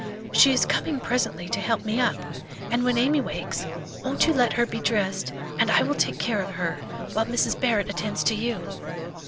She is coming presently to help me up; and when Amy wakes, won't you let her be dressed, and I will take care of her while Mrs. Barrett attends to you."